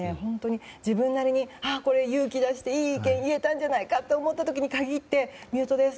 自分なりに勇気出していい意見言えたんじゃないかっていう時に限ってミュートです